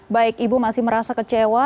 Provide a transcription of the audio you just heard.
baik ibu masih merasa kecewa